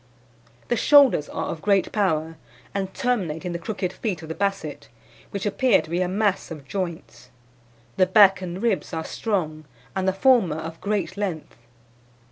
"The shoulders are of great power, and terminate in the crooked feet of the Basset, which appear to be a mass of joints. The back and ribs are strong, and the former of great length.